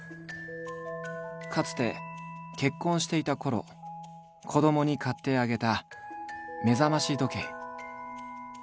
かつて結婚していたころ子どもに買ってあげた目覚まし時計。